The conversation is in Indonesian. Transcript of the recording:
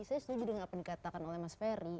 saya setuju dengan apa yang dikatakan oleh mas ferry